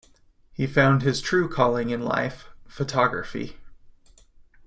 He found his true calling in life - photography.